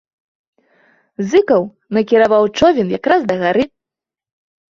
Зыкаў накіраваў човен якраз да гары.